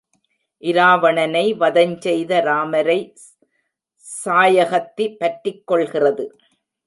இராவணனை வதஞ் செய்த ராமரை சாயஹத்தி பற்றிக்கொள்கிறது.